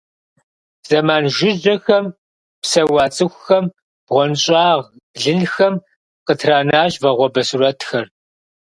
Зэман жыжьэхэм псэуа цӏыхухэм бгъуэнщӏагъ блынхэм къытранащ вагъуэбэ сурэтхэр.